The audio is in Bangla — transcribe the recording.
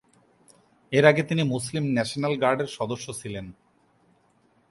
এর আগে তিনি মুসলিম ন্যাশনাল গার্ডের সদস্য ছিলেন।